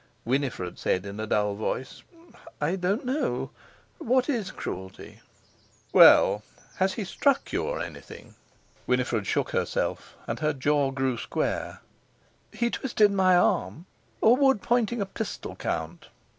Winifred said in a dull voice: "I don't know. What is cruelty?" "Well, has he struck you, or anything?" Winifred shook herself, and her jaw grew square. "He twisted my arm. Or would pointing a pistol count?